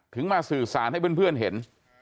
มาสื่อสารให้เพื่อนเห็น